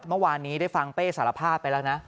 เมื่อวานนี้ได้ฟังเป้สารภาพไปแล้วนะ